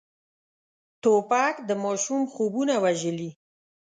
توپک د ماشوم خوبونه وژلي.